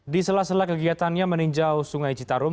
di sela sela kegiatannya meninjau sungai citarum